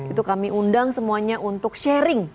itu kami undang semuanya untuk sharing